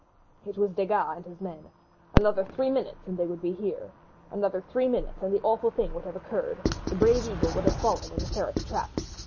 It was Desgas and his men. Another three minutes and they would be here! Another three minutes and the awful thing would have occurred: the brave eagle would have fallen in the ferret's trap!